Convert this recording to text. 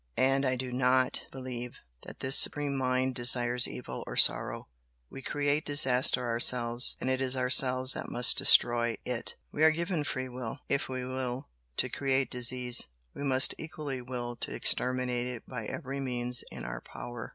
And I do NOT believe that this Supreme Mind desires evil or sorrow, we create disaster ourselves, and it is ourselves that must destroy it, We are given free will if we 'will' to create disease, we must equally 'will' to exterminate it by every means in our power."